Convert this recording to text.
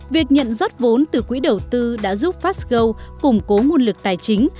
việc nhận rót vốn từ quỹ đầu tư đã giúp fastgo củng cố nguồn lực tài chính